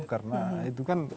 karena itu kan